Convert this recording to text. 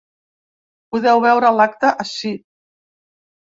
Podeu veure l’acte ací.